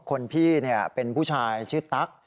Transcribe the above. คนพี่เป็นผู้ชายชื่อตั๊ก